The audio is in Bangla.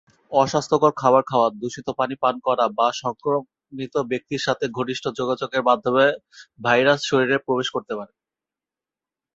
অস্বাস্থ্যকর খাবার খাওয়া, দূষিত পানি পান করা বা সংক্রমিত ব্যক্তির সাথে ঘনিষ্ঠ যোগাযোগের মাধ্যমে ভাইরাস শরীরে প্রবেশ করতে পারে।